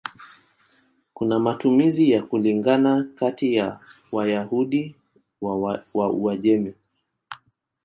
Kuna matumizi ya kulingana kati ya Wayahudi wa Uajemi.